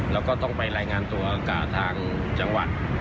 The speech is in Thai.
แล้วก็ต้องไปรายงานตัวกับทางจังหวัด